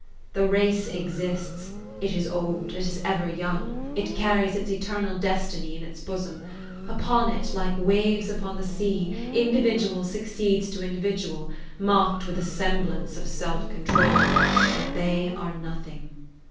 The race exists; it is old, it is ever young, it carries its eternal destiny in its bosom; upon it, like waves upon the sea, individual succeeds to individual, mocked with a semblance of self control, but they are nothing.